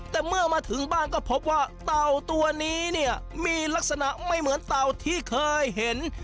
แต่เมื่อมาถึงบ้านก็พบว่าเต่าตัวนี้เนี่ยมีลักษณะไม่เหมือนเต่าที่เคยเห็น